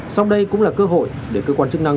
sau đây cũng là cơ hội để cơ quan chức năng